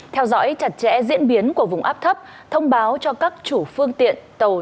theo dõi chặt chẽ diễn biến của vùng áp thấp thông báo cho các chủ phương tiện tàu